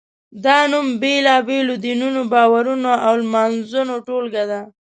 دا نوم بېلابېلو دینونو، باورونو او لمانځنو ټولګه ده.